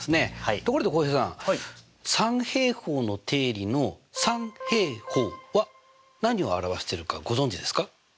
ところで浩平さん三平方の定理の「三平方」は何を表してるかご存じですか？